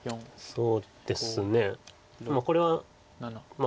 そうですね。